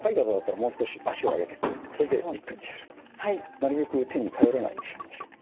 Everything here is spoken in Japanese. なるべく手に頼らないようにして。